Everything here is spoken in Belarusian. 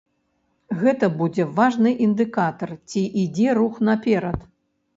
Гэта будзе важны індыкатар, ці ідзе рух наперад.